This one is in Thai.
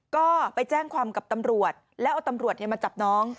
ก็ไปแจ้งความกับตำรวจแล้วเอาตำรวจมาจับน้อง